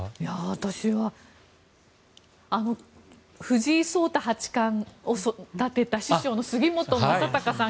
私は藤井聡太八冠を育てた師匠の杉本昌隆さん